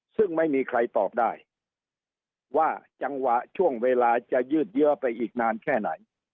ซึ่งไม่มีใครตอบได้ว่าจังหวะช่วงเวลาจะยืดเยื้อไปอีกนานแค่ไหน